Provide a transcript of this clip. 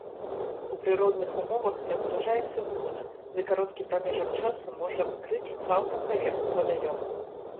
У прыродных умовах размнажаецца бурна, за кароткі прамежак часу можа пакрыць цалкам паверхню вадаёма.